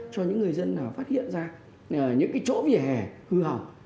cho những người dân nào phát hiện ra những cái chỗ vỉa hè hư hỏng